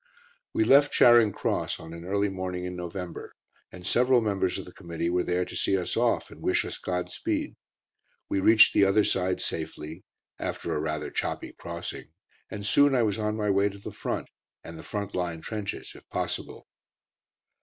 We left Charing Cross on an early morning in November, and several members of the Committee were there to see us off, and wish us God speed. We reached the other side safely, after a rather choppy crossing, and soon I was on my way to the Front and the front line trenches, if possible.